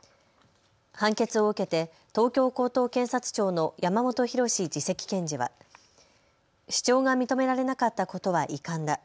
判決を受けて東京高等検察庁の山元裕史次席検事は主張が認められなかったことは遺憾だ。